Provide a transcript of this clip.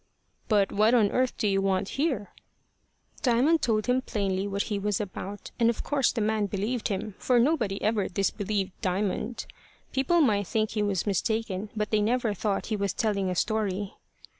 "But what on earth do you want here?" Diamond told him plainly what he was about, and of course the man believed him, for nobody ever disbelieved Diamond. People might think he was mistaken, but they never thought he was telling a story.